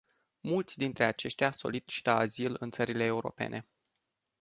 Mulți dintre aceștia solicită azil în țările europene.